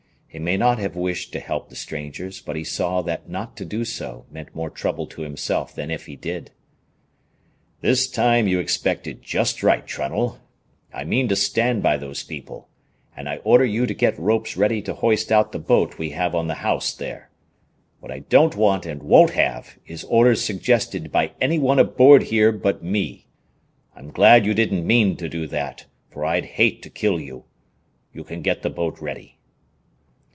He may not have wished to help the strangers, but he saw that not to do so meant more trouble to himself than if he did. "This time you expected just right, Trunnell. I mean to stand by those people, and I order you to get ropes ready to hoist out the boat we have on the house, there. What I don't want and won't have is orders suggested by any one aboard here but me. I'm glad you didn't mean to do that, for I'd hate to kill you. You can get the boat ready."